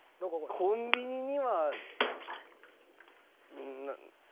コンビニには。